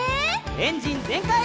エンジンぜんかい！